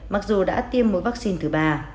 mặc dù đã tiêm mũi vaccine thứ ba